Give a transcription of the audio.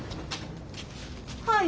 はい。